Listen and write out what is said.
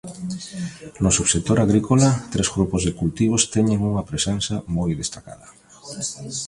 No subsector agrícola, tres grupos de cultivos teñen unha presenza moi destacada: